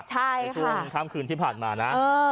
ใช่ค่ะเป็นช่วงคลามคืนที่ผ่านมานะ